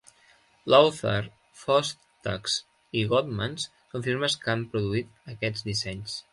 Lowther, Fostex i Goodmans són firmes que han produït aquests dissenys.